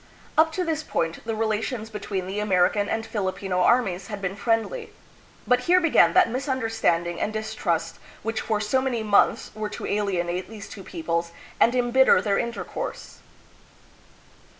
Up to this point, the relations between the American and Filipino armies had been friendly. But here began that misunderstanding and distrust which for so many months were to alienate these two peoples and imbitter then intercourse.